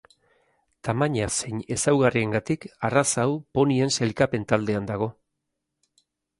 Tamaina zein ezaugarriengatik arraza hau ponien sailkapen taldean dago.